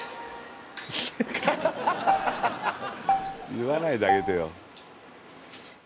言わないであげてよ。